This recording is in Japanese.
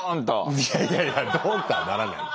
いやいやいやドーンとはならない。